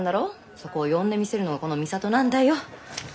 そこを呼んでみせるのがこの巳佐登なんだよ。